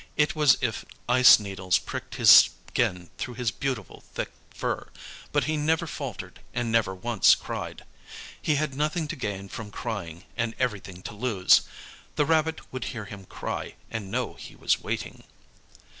It was as if ice needles pricked his skin through his beautiful thick fur, but he never faltered and never once cried. He had nothing to gain from crying, and everything to lose; the rabbit would hear him cry and know he was waiting.